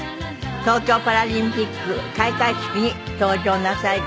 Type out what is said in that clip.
東京パラリンピック開会式に登場なさり